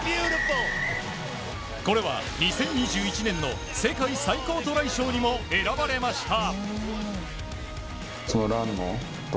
これは２０２１年の世界最高トライ賞にも選ばれました。